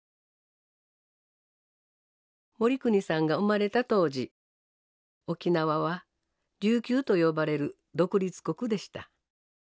盛邦さんが生まれた当時沖縄は「琉球」と呼ばれる独立国でした。